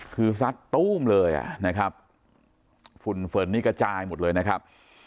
คือซัดตู้มเลยอ่ะนะครับฝุ่นนี่กระจายหมดเลยนะครับ